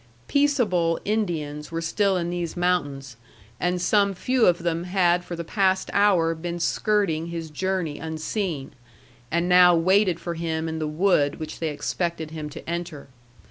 "Peaceable" Indians were still in these mountains, and some few of them had for the past hour been skirting his journey unseen, and now waited for him in the wood which they expected him to enter.